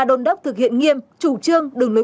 đôn đốc thực hiện nghiêm chủ trương đường lối